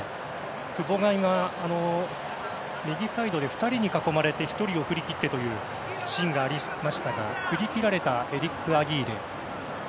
久保が右サイドで２人に囲まれて１人を振り切ってというシーンがありましたが振り切られたエリック・アギーレ。